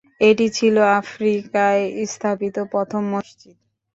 এটি ছিল আফ্রিকায় স্থাপিত প্রথম মসজিদ।